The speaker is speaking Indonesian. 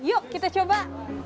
yuk kita coba